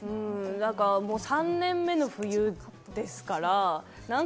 ３年目の冬ですからね。